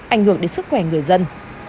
ảnh hưởng đến sức khỏe người dân